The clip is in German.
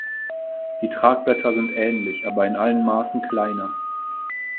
Die Tragblätter sind ähnlich, aber in allen Maßen kleiner.